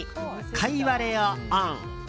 カイワレをオン。